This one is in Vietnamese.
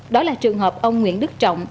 đó là trường hợp ông nguyễn đức trọng